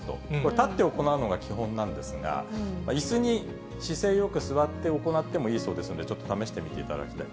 立って行うのが基本なんですが、いすに姿勢よく座って行ってもいいそうですんで、ちょっと試してみていただきたい。